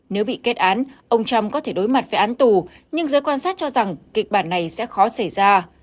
nếu bị kết án ông trump có thể đối mặt với án tù nhưng giới quan sát cho rằng kịch bản này sẽ khó xảy ra